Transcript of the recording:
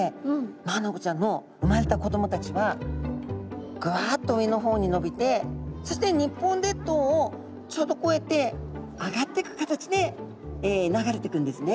マアナゴちゃんの産まれた子どもたちはぐわっと上の方に伸びてそして日本列島をちょうどこうやって上がってく形で流れてくんですね。